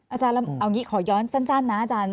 อาจารย์เอางี้ขอย้อนสั้นนะอาจารย์